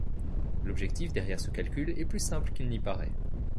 L'objectif derrière ce calcul est plus simple qu'il n'y paraît.